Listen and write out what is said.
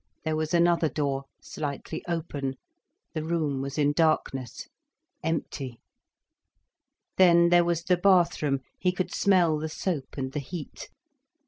There was another door, slightly open. The room was in darkness. Empty. Then there was the bathroom, he could smell the soap and the heat.